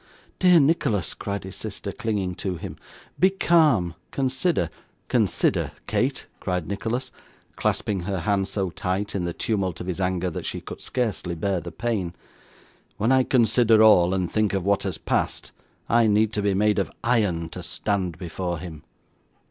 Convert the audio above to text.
'Dear Nicholas,' cried his sister, clinging to him. 'Be calm, consider ' 'Consider, Kate!' cried Nicholas, clasping her hand so tight in the tumult of his anger, that she could scarcely bear the pain. 'When I consider all, and think of what has passed, I need be made of iron to stand before him.